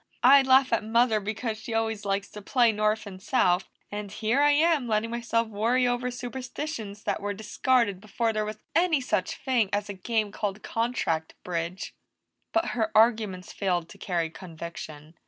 "I laugh at Mother because she always likes to play North and South, and here I'm letting myself worry over superstitions that were discarded before there was any such thing as a game called contract bridge." But her arguments failed to carry conviction.